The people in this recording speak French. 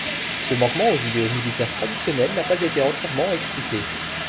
Ce manquement aux idéaux militaires traditionnels n'a pas été entièrement expliqué.